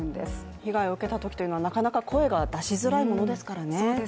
被害を受けたときはなかなか声が出しづらいものですからね。